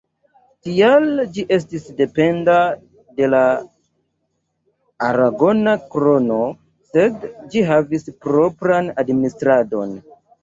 Tial ĝi estis dependa de la aragona krono sed ĝi havis propran administradon.